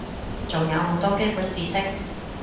仲有好多基本知識